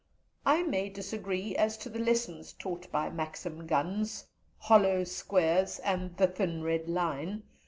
I may disagree as to the lessons taught by Maxim guns, hollow squares, and the 'thin red line.'